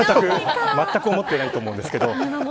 まったく思ってないと思うんですけど